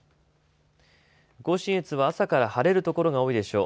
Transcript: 甲信越は朝から晴れるところが多いでしょう。